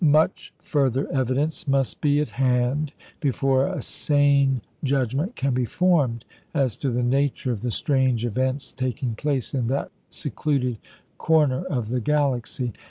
Much further evidence must be at hand before a sane judgment can be formed as to the nature of the strange events taking place in that secluded corner of the Galaxy.